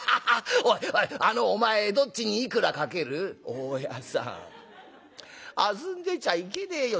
「大家さん遊んでちゃいけねえよ。